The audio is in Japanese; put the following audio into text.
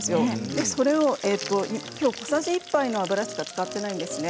きょう、小さじ１杯の油しか使っていないんですね。